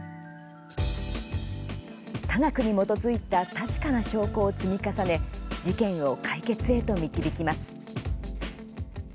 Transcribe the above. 科学に基づいた確かな証拠を積み重ね事件を解決へと導きます。